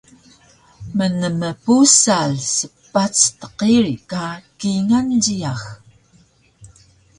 mnempusal spac tqiri ka kingal jiyax